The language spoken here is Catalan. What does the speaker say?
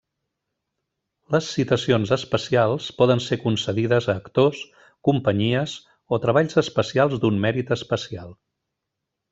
Les Citacions Especials poden ser concedides a actors, companyies o treballs especials d'un mèrit especial.